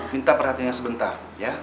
minta perhatiannya sebentar ya